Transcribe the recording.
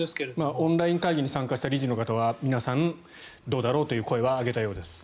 オンライン会議に参加した理事の方は皆さん、どうだろうという声は上げたようです。